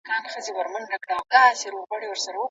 د زده کوونکو د خلاقیت د هڅونې لپاره بنسټونه نه وو.